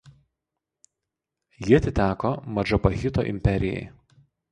Ji atiteko Madžapahito imperijai.